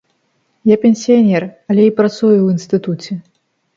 Я пенсіянер, але і працую ў інстытуце.